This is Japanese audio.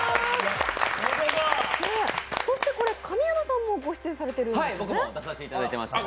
そして神山さんも御出演されてるんですね？